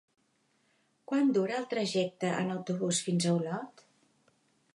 Quant dura el trajecte en autobús fins a Olot?